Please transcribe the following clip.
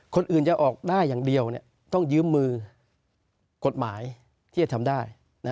คนอื่นจะออกได้อย่างเดียวต้องยืมมือกฎหมายที่จะทำได้